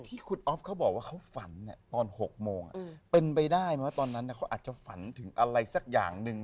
ที่คุณอ๊อฟเขาบอกว่าเขาฝันตอน๖โมงเป็นไปได้ไหมตอนนั้นเขาอาจจะฝันถึงอะไรสักอย่างหนึ่ง